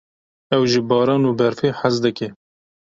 Ew ji baran û berfê hez dike.